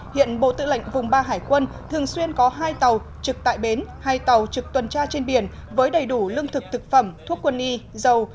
hiện bộ tư lệnh vùng ba hải quân thường xuyên có hai tàu trực tại bến hai tàu trực tuần tra trên biển với đầy đủ lương thực thực phẩm thuốc quân y dầu